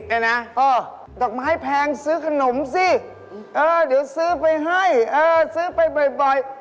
นะดอกไม้แพงซื้อขนมสิเออเดี๋ยวซื้อไปให้เออซื้อไปบ่อย